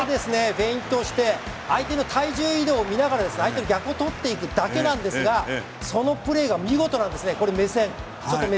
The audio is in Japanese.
フェイントをして相手の体重移動を見ながら相手逆とっていくだけなんですがそのプレーが見事なんですね。